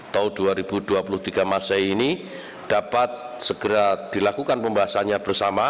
tahun dua ribu dua puluh tiga masai ini dapat segera dilakukan pembahasannya bersama